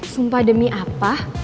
sumpah demi apa